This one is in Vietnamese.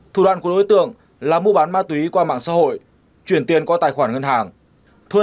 thủ đoạn của đối tượng là mua bán ma túy qua mạng xã hội chuyển tiền qua tài khoản ngân hàng thuê các công ty vận chuyển đưa ma túy vào sản xuất hàng cấm